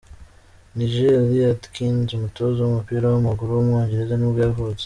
Nigel Adkins, umutoza w’umupira w’amaguru w’umwongereza nibwo yavutse.